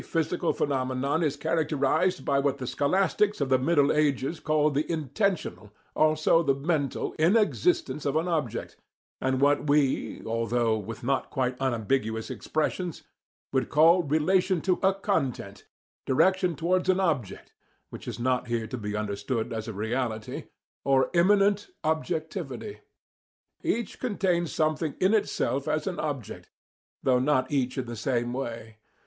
"Every psychical phenomenon is characterized by what the scholastics of the Middle Ages called the intentional (also the mental) inexistence of an object, and what we, although with not quite unambiguous expressions, would call relation to a content, direction towards an object (which is not here to be understood as a reality), or immanent objectivity. Each contains something in itself as an object, though not each in the same way.